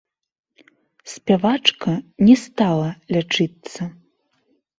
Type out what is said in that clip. Спявачка не стала лячыцца.